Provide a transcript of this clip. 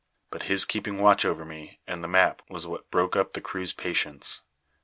But his keeping watch over me and the map was what broke up the crew's patience.